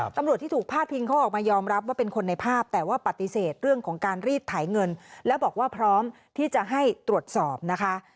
ตำรวจที่ถูกพาดพิงเขาออกมายอมรับว่าเป็นคนในภาพแต่ว่าปฏิเสธเรื่องของการรีดไถเงินและบอกว่าพร้อมที่จะให้ตรวจสอบนะคะ